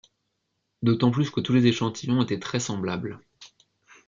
D'autant plus que tous les échantillons étaient très semblables.